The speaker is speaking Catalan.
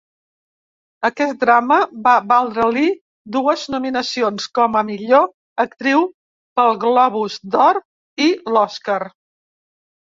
Aquest drama va valdre-li dues nominacions com a millor actriu pel Globus d'Or i l'Oscar.